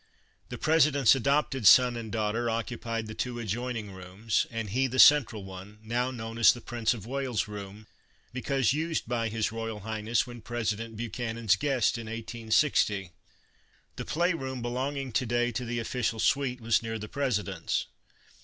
The President's adopted son and daughter occupied the two adjoining rooms, and he the central one, now known as the Prince of Wales' room because used by his Royal Highness when President Buchanan's guest in i860. The play room, belonging to day to the official suite, was near the President's.